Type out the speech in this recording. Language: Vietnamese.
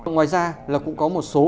ngoài ra là cũng có một số